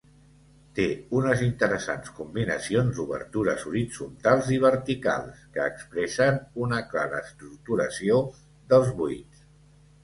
Té unes interessants combinacions d'obertures horitzontals i verticals que expressen una clara estructuració dels buits.